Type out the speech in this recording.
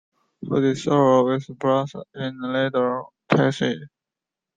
Jose Silva was born in Laredo, Texas.